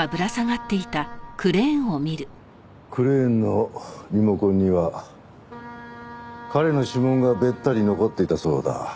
クレーンのリモコンには彼の指紋がべったり残っていたそうだ。